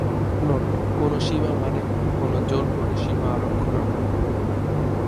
Note: কোন সীমা মানে কোন জোর করে সীমা আরোপ করা নয়।